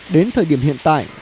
đến thời điểm hiện tại